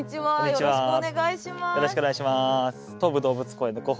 よろしくお願いします。